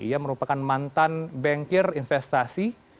ia merupakan mantan bankir investasi